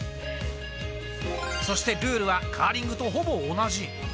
そしてルールはカーリングとほぼ同じ。